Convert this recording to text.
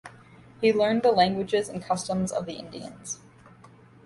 He learned the languages and customs of the Indians.